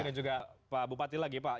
dan juga pak bupati lagi ya pak